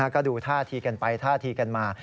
ก็ดูท่าทีกันไปท่าทีกันมา